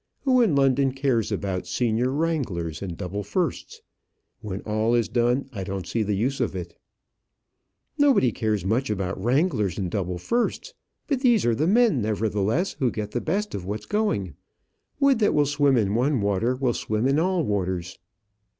Who in London cares about senior wranglers and double firsts? When all is done, I don't see the use of it." "Nobody cares much about wranglers and double firsts; but these are the men, nevertheless, who get the best of what's going. Wood that will swim in one water will swim in all waters."